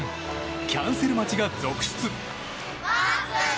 キャンセル待ちが続出。